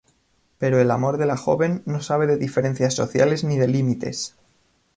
Pero el amor de la joven no sabe de diferencias sociales ni de límites.